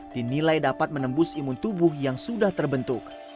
dinilai dapat menembus imun tubuh yang sudah terbentuk